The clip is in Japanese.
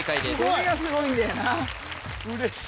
これがすごいんだよな嬉しい！